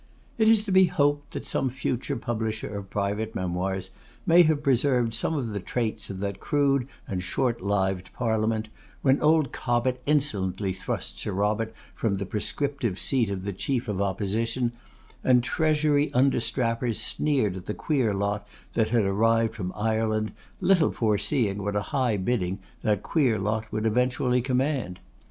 It is to be hoped that some future publisher of private memoirs may have preserved some of the traits of that crude and short lived parliament, when old Cobbett insolently thrust Sir Robert from the prescriptive seat of the chief of opposition, and treasury understrappers sneered at the 'queer lot' that had arrived from Ireland, little foreseeing what a high bidding that 'queer lot' would eventually command.